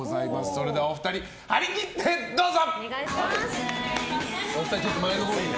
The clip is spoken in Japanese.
それではお二人張り切ってどうぞ。